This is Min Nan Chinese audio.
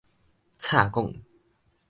插管